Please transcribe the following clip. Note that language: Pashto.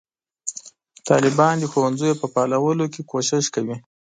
طالبان د ښوونځیو په فعالولو کې کوښښ کوي.